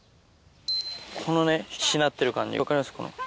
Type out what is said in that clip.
このね、しなってる感じ、分かります？